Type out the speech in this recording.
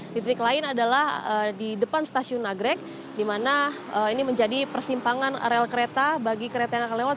di titik lain adalah di depan stasiun nagrek di mana ini menjadi persimpangan rel kereta bagi kereta yang akan lewat